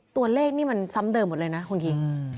ตัวเลขนี่มันซ้ำเดิมหมดเลยนะคุณคิง